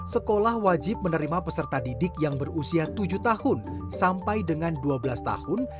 sekolah wajib menerima peserta didik yang berusia tujuh tahun sampai dengan dua belas tahun